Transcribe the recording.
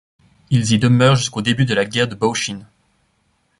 Ils y demeurent jusqu'au début de la guerre de Boshin.